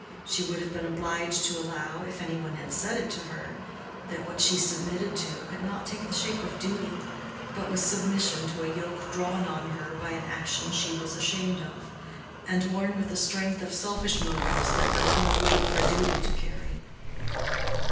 She would have been obliged to allow, if any one had said it to her, that what she submitted to could not take the shape of duty, but was submission to a yoke drawn on her by an action she was ashamed of, and worn with a strength of selfish motives that left no weight for duty to carry.